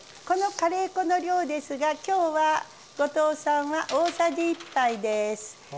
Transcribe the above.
このカレー粉の量ですが今日は後藤さんは大さじ１杯です。